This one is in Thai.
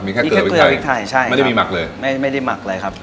มีแค่เกลือวิทัยใช่ครับไม่ได้มักเลยไม่ได้มักเลยครับ